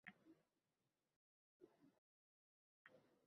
aytishni ep ko'rmadi.